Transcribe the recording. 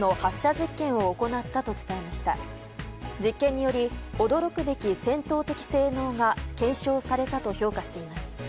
実験により驚くべき戦闘的性能が検証されたと評価しています。